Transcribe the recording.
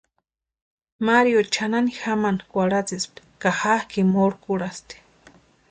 Mario chʼanani jamani kwarhatsïspti ka jakʼi mokʼurherasti.